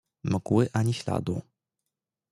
"Mgły ani śladu."